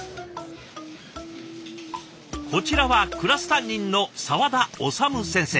こちらはクラス担任の沢田修先生。